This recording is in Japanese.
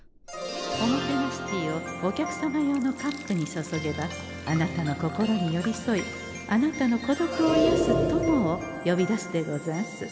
おもてなしティーをお客様用のカップにそそげばあなたの心によりそいあなたの孤独をいやす友をよびだすでござんす。